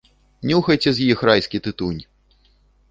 Нюхайце з іх райскі тытунь!